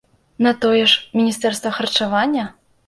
На тое ж міністэрства харчавання!